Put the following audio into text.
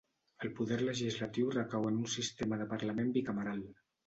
El poder legislatiu recau en un sistema de parlament bicameral.